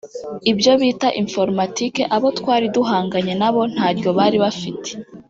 ibyo bita “informatique” abo twari duhanganye nabo ntaryo bari bafite